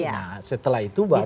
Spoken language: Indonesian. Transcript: nah setelah itu baru